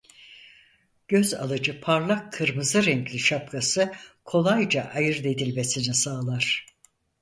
Göz alıcı parlak kırmızı renkli şapkası kolayca ayırdedilmesini sağlar.